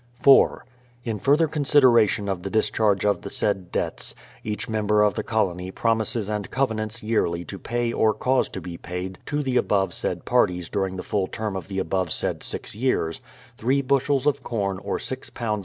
4. In further consideration of the discharge of the said debts, each member of the colony promises and covenants j'early to pay or cause to be paid to the above said parties during the full term of the above said six years, three bushels of corn or six lbs.